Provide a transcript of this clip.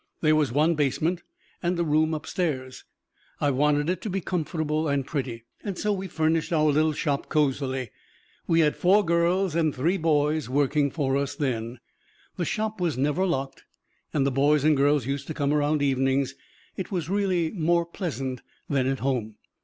There was one basement and a room upstairs. I wanted it to be comfortable and pretty, and so we furnished our little shop cozily. We had four girls and three boys working for us then. The Shop was never locked, and the boys and girls used to come around evenings. It was really more pleasant than at home.